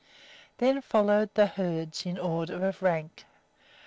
Then followed the herds in order of rank.